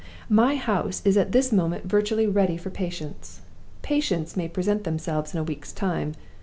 My house is at this moment virtually ready for patients. Patients may present themselves in a week's time.